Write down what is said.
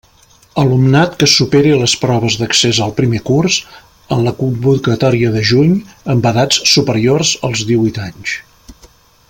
Alumnat que supere les proves d'accés al primer curs, en la convocatòria de juny, amb edats superiors als díhuit anys.